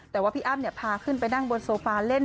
แต่ว่าพี่อ้ำพาขึ้นไปนั่งบนโซฟาเล่น